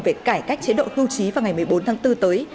về cải cách chế độ hưu trí vào ngày một mươi bốn tháng bốn tới